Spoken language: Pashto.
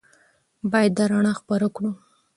باید دا رڼا خپره کړو.